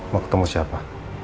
mau ketemu siapa